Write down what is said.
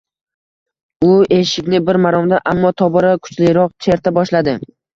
U eshikni bir maromda, ammo tobora kuchliroq cherta boshladi.